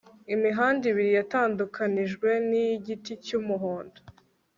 imihanda ibiri yatandukanijwe mu giti cy'umuhondo